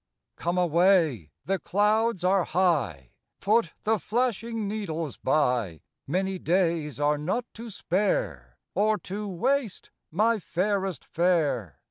OME away, the clouds are high, Put the flashing needles by. Many days are not to spare, Or to waste, my fairest fair!